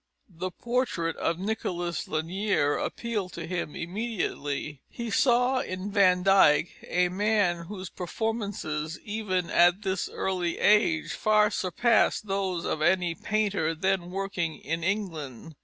The portrait of Nicholas Lanière appealed to him immediately. He saw in Van Dyck a man whose performances, even at this early age, far surpassed those of any painter then working in England.